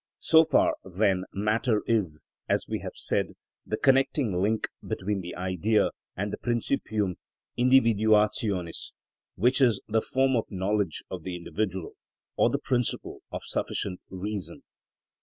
So far then matter is, as we have said, the connecting link between the Idea and the principium individuationis, which is the form of knowledge of the individual, or the principle of sufficient reason.